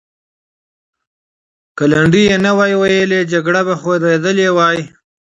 که لنډۍ یې نه وای ویلې، جګړه به خورېدلې وه.